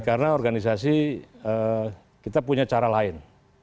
karena organisasi kita punya cara lain